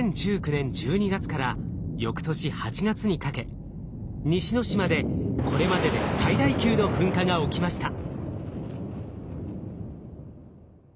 ２０１９年１２月から翌年８月にかけ西之島でこれまでで最大級の噴火が起きました。